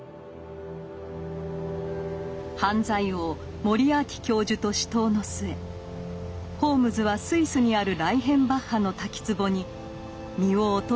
犯罪王モリアーティ教授と死闘の末ホームズはスイスにあるライヘンバッハの滝つぼに身を落としたのです。